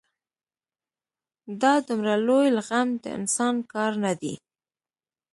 دا دومره لوی لغم د انسان کار نه دی.